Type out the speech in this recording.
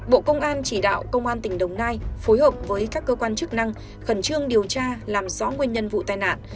bộ công an chỉ đạo công an tỉnh đồng nai phối hợp với các cơ quan chức năng khẩn trương điều tra làm rõ nguyên nhân vụ tai nạn